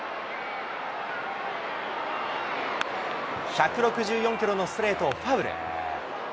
１６４キロのストレートをファウル。